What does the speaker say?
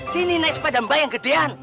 sini naik sepeda mbak yang gedean